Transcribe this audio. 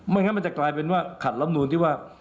งั้นมันจะกลายเป็นว่าขัดลำนูนที่ว่า